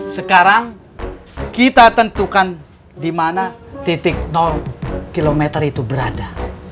sekarang kita tentukan di mana titik km itu berada